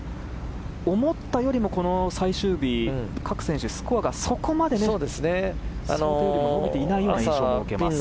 思ったより最終日各選手スコアがそこまで伸びていないような印象があります。